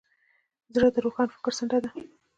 زړه د روښان فکر څنډه ده.